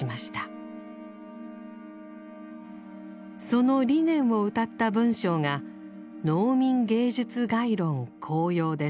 その理念をうたった文章が「農民芸術概論綱要」です。